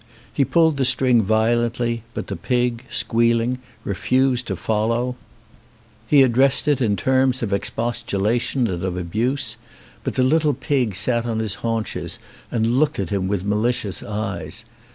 He pulled the string violently, but the pig, squealing, refused to follow; he ad 204 METEMPSYCHOSIS dressed it in terms of expostulation and of abuse, but the little pig sat on his haunches and looked at him with malicious eyes.